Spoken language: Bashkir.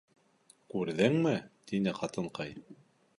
— Күрҙеңме, — тине ҡатынҡай.